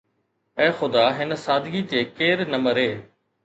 اي خدا هن سادگي تي ڪير نه مري.